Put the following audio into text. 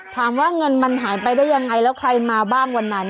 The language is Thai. ถามว่าเงินมันหายไปได้ยังไงแล้วใครมาบ้างวันนั้น